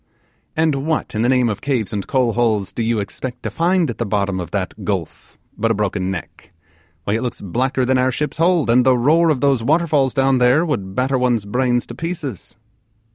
'And what, in the name of caves and coal holes, do you expect to find at the bottom of that gulf but a broken neck why it looks blacker than our ship's hold, and the roar of those waterfalls down there would batter one's brains to pieces.